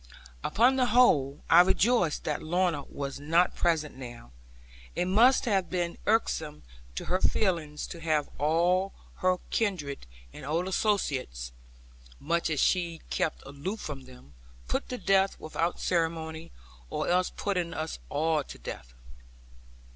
Upon the whole, I rejoiced that Lorna was not present now. It must have been irksome to her feelings to have all her kindred and old associates (much as she kept aloof from them) put to death without ceremony, or else putting all of us to death.